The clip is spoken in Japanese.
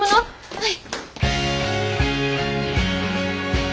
はい！